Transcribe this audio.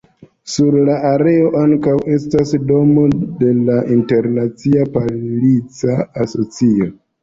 Sur la areo ankaŭ estas domo de la Internacia Polica Asocio.